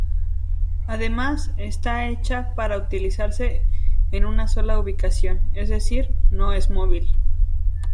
Además, está hecha para utilizarse en una sola ubicación, es decir, no es móvil.